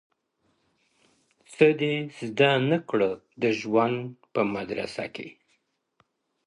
څه دي زده نه کړه د ژوند په مدرسه کي,